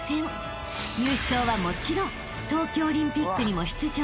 ［優勝はもちろん東京オリンピックにも出場